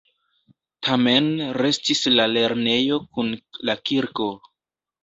Tamen restis la lernejo kun la kirko.